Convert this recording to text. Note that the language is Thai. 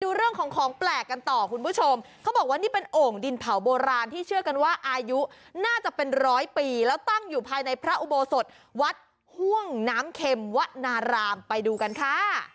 ดูเรื่องของของแปลกกันต่อคุณผู้ชมเขาบอกว่านี่เป็นโอ่งดินเผาโบราณที่เชื่อกันว่าอายุน่าจะเป็นร้อยปีแล้วตั้งอยู่ภายในพระอุโบสถวัดห่วงน้ำเข็มวนารามไปดูกันค่ะ